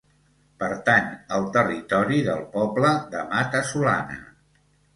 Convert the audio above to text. Pertany al territori del poble de Mata-solana.